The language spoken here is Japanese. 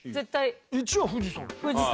１は富士山。